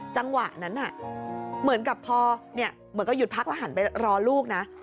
จังหวะนั้นเหมือนกับพอเหมือนกับหยุดพักแล้วหันไปรอลูกนะ